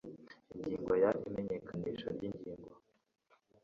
ingingo ya imenyekanisha ry ingingo